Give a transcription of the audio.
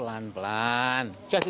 dan juga mengendap nilai